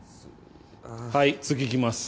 はい次いきます。